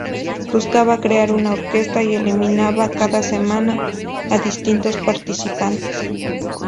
Buscaba crear una orquesta y eliminaba cada semana a distintos participantes.